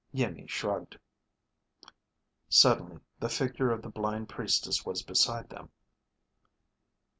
Iimmi shrugged. Suddenly, the figure of the blind Priestess was beside them.